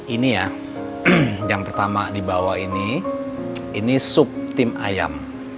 ini ya yang pertama dibawa ini ini sup tim ayam